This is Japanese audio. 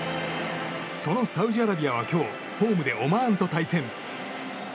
そのサウジアラビアは今日ホームでオマーンと対戦。